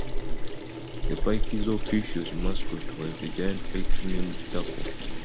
The Pike's official mascot was a giant Pike named Tackle.